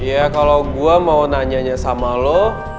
ya kalau gue mau nanyanya sama lo